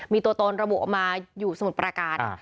มีตัวตนระบุออกมาอยู่สมุทรประการ